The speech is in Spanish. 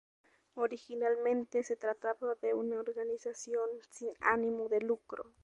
Originalmente se trataba de una organización sin ánimo de lucro.